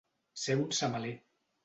Ser un semaler.